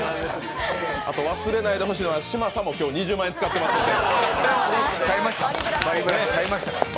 忘れないでほしいのは嶋佐も今日、２０万円使ってますから。